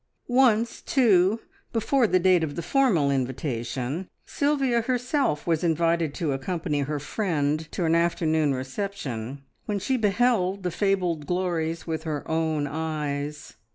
Once, too, before the date of the formal invitation, Sylvia herself was invited to accompany her friend to an afternoon reception, when she beheld the fabled glories with her own eyes.